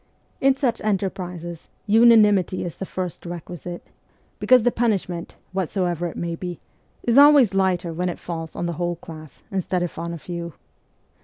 In such enterprises unanimity is the first requisite, because the punishment, whatsoever it may be, is always lighter when it falls on the whole class instead of on a few.